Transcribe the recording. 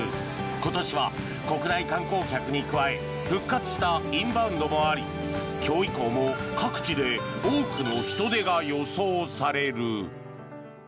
今年は、国内観光客に加え復活したインバウンドもあり今日以降も各地で多くの人出が予想される。